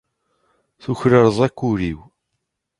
tuklaleḍ akk ul-iw.